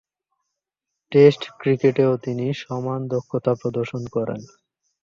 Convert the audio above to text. Test ক্রিকেটেও তিনি সমান দক্ষতা প্রদর্শন করেন।